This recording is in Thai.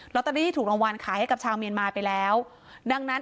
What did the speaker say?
ตเตอรี่ที่ถูกรางวัลขายให้กับชาวเมียนมาไปแล้วดังนั้น